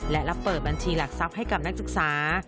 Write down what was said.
และเปิดบัญชีหลักทรัพย์ให้กับนักศึกษา